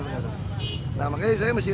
jadi saya datang ke sini untuk melihat